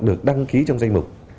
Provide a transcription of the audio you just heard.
được đăng ký trong danh mục